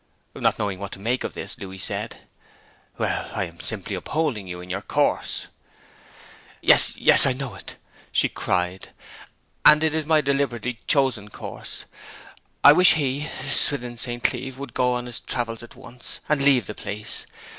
Not knowing what to make of this, Louis said 'Well, I am simply upholding you in your course.' 'Yes, yes; I know it!' she cried. 'And it is my deliberately chosen course. I wish he Swithin St. Cleeve would go on his travels at once, and leave the place!